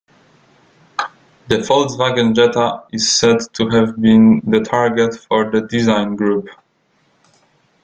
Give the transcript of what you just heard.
The Volkswagen Jetta is said to have been the target for the design group.